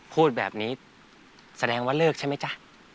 พูดแบบนี้แสดงว่าเลิกใช่ไหมจ๊ะ